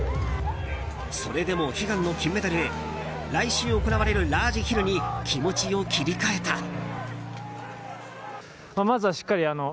それでも、悲願の金メダルへ来週行われるラージヒルに気持ちを切り替えた。